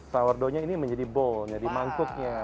sourdoughnya ini menjadi bowl menjadi mangkuknya